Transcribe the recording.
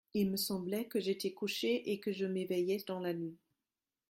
«Il me semblait que j'étais couché et que je m'éveillais dans la nuit.